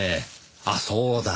あっそうだ。